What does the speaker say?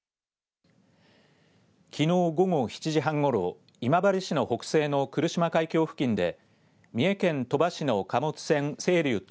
きのう午後７時半ごろ今治市の北西の来島海峡付近で三重県鳥羽市の貨物船せいりゅうと